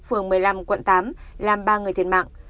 phường một mươi năm quận tám làm ba người thiệt mạng